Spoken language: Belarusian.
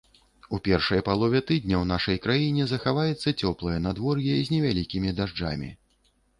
У першай палове тыдня ў нашай краіне захаваецца цёплае надвор'е з невялікімі дажджамі.